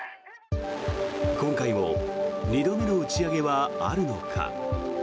今回も２度目の打ち上げはあるのか。